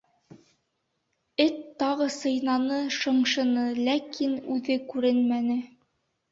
- Эт тағы сыйнаны, шыңшыны, ләкин үҙе күренмәне.